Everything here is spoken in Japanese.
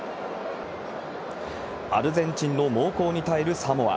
アルゼンチンの猛攻に耐えるサモア。